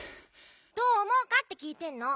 どうおもうかってきいてんの。